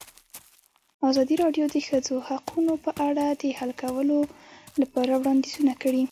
ازادي راډیو د د ښځو حقونه په اړه د حل کولو لپاره وړاندیزونه کړي.